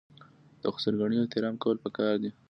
د خسرګنۍ احترام کول پکار دي.